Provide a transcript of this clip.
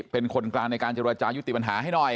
เป็นคนกลางในการเจรจายุติปัญหาให้หน่อย